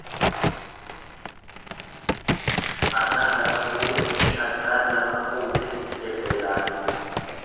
Anaa lafa guure shaggaan lafa quute jette jaartiin.